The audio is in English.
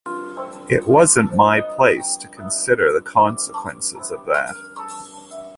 It wasn't my place to consider the consequences of that.